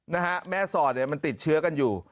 แม่สอดเนี่ยมันติดเชื้อกันอยู่